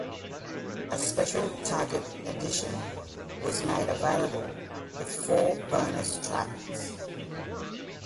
A special Target edition was made available with four bonus tracks.